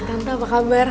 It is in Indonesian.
tante apa kabar